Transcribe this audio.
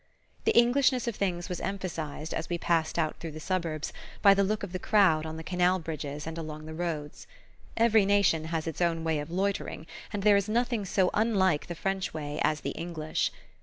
The Englishness of things was emphasized, as we passed out through the suburbs, by the look of the crowd on the canal bridges and along the roads. Every nation has its own way of loitering, and there is nothing so unlike the French way as the English.